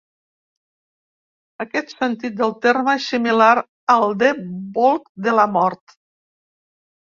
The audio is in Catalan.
Aquest sentit del terme és similar al de "bolc de la mort".